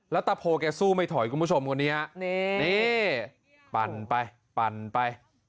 แล้วตาโพแกสู้ไม่ถอยคุณผู้ชมคนนี้ฮะนี่ปั่นไปปั่นไป